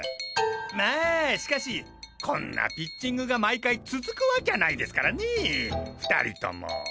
まあしかしこんなピッチングが毎回続くわきゃないですからね２人とも。